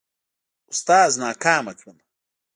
اوستاذ ناکامه کړمه.